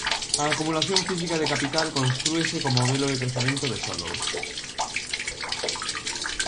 A acumulación física de capital constrúese co modelo de crecemento de Solow.